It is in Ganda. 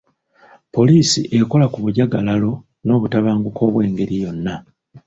Poliisi ekola ku bujagalalo n'obutabanguko obw'engeri yonna.